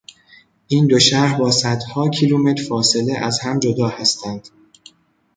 این دو شهر با صدها کیلومتر فاصله، از هم جدا هستند.